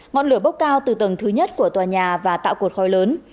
ngọn lửa bốc cao từ tầng thứ nhất của tòa nhà và tạo cột khói lớn